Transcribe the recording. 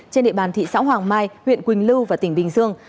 trên địa bàn thị xã hoàng mai huyện quỳnh lưu và tỉnh bình dương